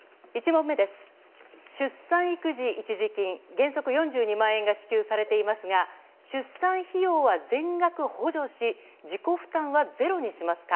１問目、出産育児一時金は原則４２万円支給されていますが出産費用は全額補助し自己負担はゼロにしますか。